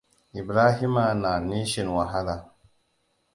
Ibrahima na nishin wahala.